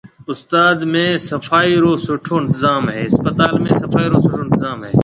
اسپتال ۾ صفائي رو سُٺو انتظام ھيََََ